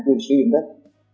được sử dụng đất